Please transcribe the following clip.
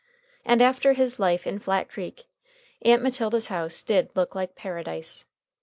And after his life in Flat Creek, Aunt Matilda's house did look like paradise.